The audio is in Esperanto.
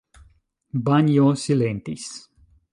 Banjo silentis.